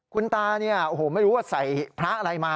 คุณตาเนี่ยโอ้โหไม่รู้ว่าใส่พระอะไรมา